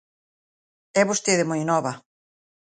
É vostede moi nova.